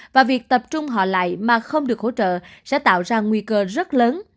và việc tập trung họ lại mà không được hỗ trợ sẽ tạo ra nguy cơ rất lớn